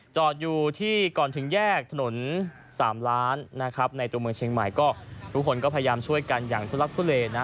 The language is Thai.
จอดอยู่ที่ก่อนถึงแยกถนน๓ล้านนะครับในตัวเมืองเชียงใหม่ก็ทุกคนก็พยายามช่วยกันอย่างทุลักทุเลนะ